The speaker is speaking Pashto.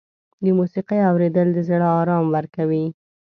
د موسیقۍ اورېدل د زړه آرام ورکوي.